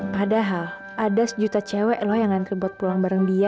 padahal ada sejuta cewek loh yang ngantri buat pulang bareng dia